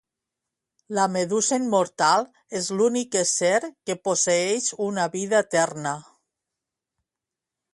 La medusa immortal és l'únic ésser que posseeix una vida eterna